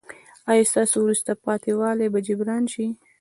ایا ستاسو وروسته پاتې والی به جبران شي؟